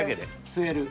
吸える。